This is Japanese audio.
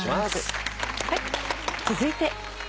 続いて。